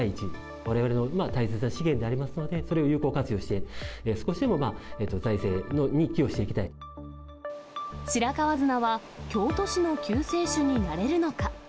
われわれの大切な資源でありますので、それを有効活用して、白川砂は、京都市の救世主になれるのか。